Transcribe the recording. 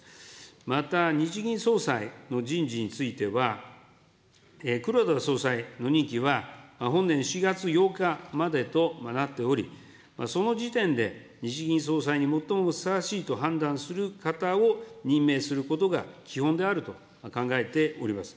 また、日銀総裁の人事については、黒田総裁の任期は本年４月８日までとなっており、その時点で、日銀総裁に最もふさわしいと判断する方を任命することが基本であると考えております。